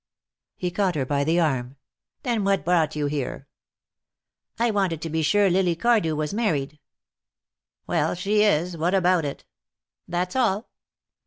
He caught her by the arm. "Then what brought you here?" "I wanted to be sure Lily Cardew was married." "Well, she is. What about it?" "That's all."